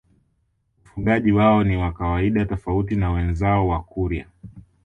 Ufugaji wao ni wa kawaida tofauti na wenzao Wakurya